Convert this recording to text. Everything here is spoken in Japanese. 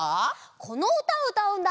このうたをうたうんだ！